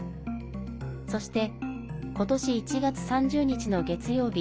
そして、今年１月３０日の月曜日